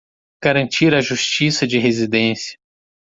Garantir a justiça de residência